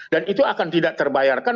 dan itu akan tidak terbayarkan